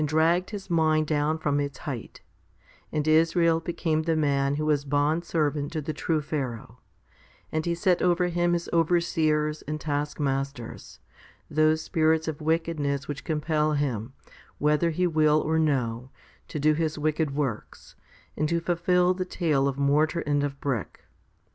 HOMILY XLVII 293 dragged his mind down from its height, and Israel became the man who is bondservant to the true Pharaoh, and he set over him his overseers and taskmasters, those spirits of wickedness which compel him, whether he will or no, to do his wicked works, and to fulfil the tale of mortar and of brick.